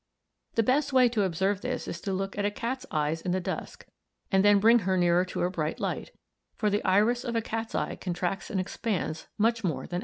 The best way to observe this is to look at a cat's eyes in the dusk, and then bring her near to a bright light; for the iris of a cat's eye contracts and expands much more than ours does."